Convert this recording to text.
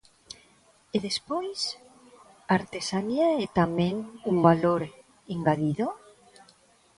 E despois, a artesanía é tamén un valor engadido?